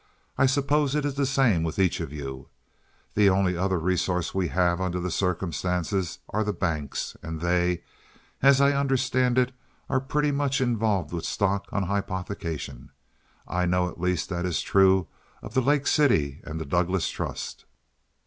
I suppose it is the same with each of you. The only other resources we have under the circumstances are the banks, and they, as I understand it, are pretty much involved with stock on hypothecation. I know at least that this is true of the Lake City and the Douglas Trust."